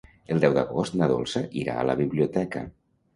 El deu d'agost na Dolça irà a la biblioteca.